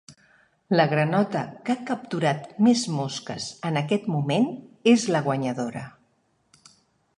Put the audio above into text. La granota que ha capturat més mosques en aquest moment és la guanyadora.